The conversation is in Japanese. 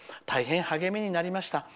大変、励みになりました。